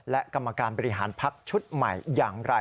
และกรรมการบริหารพักชุดใหม่อย่างไร